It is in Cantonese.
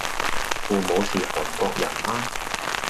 父母是韓國人嗎？